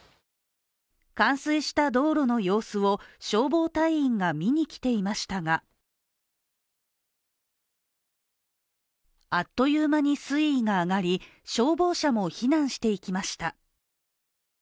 冠水した道路の様子を消防隊員が見に来ていましたがあっという間に水位が上がり、消防車も避難していきました。